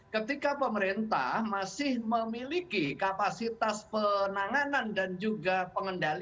ketika pemerintah masih memiliki kapasitas penanganan dan juga pengendalian